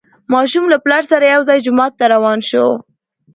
ماشوم له پلار سره یو ځای جومات ته روان شو